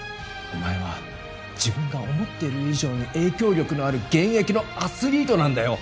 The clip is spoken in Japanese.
お前は自分が思ってる以上に影響力のある現役のアスリートなんだよ